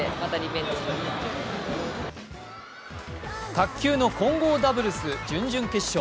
卓球の混合ダブルス準々決勝。